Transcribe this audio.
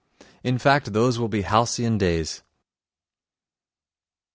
In fact, those will be halcyon days.